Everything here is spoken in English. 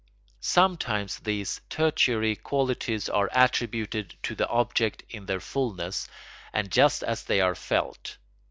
Sometimes these tertiary qualities are attributed to the object in their fulness and just as they are felt.